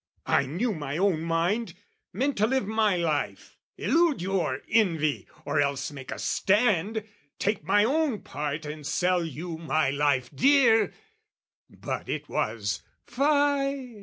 I knew my own mind, meant to live my life, Elude your envy, or else make a stand, Take my own part and sell you my life dear: But it was "Fie!